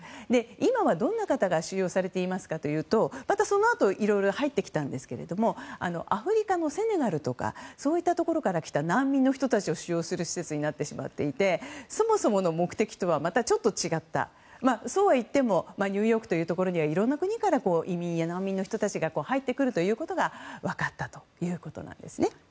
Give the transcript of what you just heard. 今は、どんな方が収容されていますかというとまたそのあと、いろいろ入ってきたんですけれどもアフリカのセネガルとかそういったところから来た難民の人たちを収容する施設になってしまっていてそもそもの目的とはまたちょっと違ったそうはいってもニューヨークというところにはいろんなところから移民や難民の人たちが入ってくるということが分かったということです。